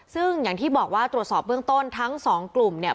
ซึ่งอย่างที่บอกว่าตรวจสอบเบื้องต้นทั้งสองกลุ่มเนี่ย